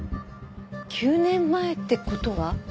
９年前って事は？